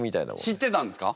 知ってたんですか？